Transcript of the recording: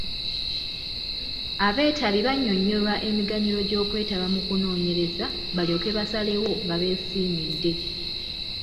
Abeetabi bannyonnyolwa emiganyulo gy'okwetaba mu kunoonyereza balyoke basalewo nga beesiimidde.